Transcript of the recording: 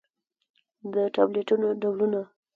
د ټابليټنو ډولونه: